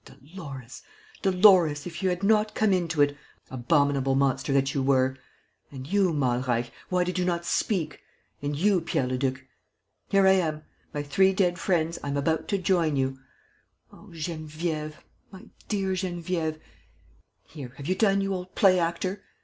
Ah, Dolores, Dolores, if you had not come into it, abominable monster that you were! ...... And you, Malreich, why did you not speak? ... And you, Pierre Leduc. ... Here I am! ... My three dead friends, I am about to join you. ... Oh, Geneviève, my dear Geneviève! ... Here, have you done, you old play actor?